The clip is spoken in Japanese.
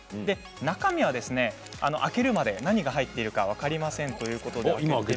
中身は開けるまで何が入っているか分かりません。